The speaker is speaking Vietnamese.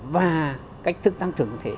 và cách thức tăng trưởng thế